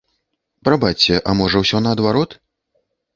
Прабачце, а можа, усё наадварот?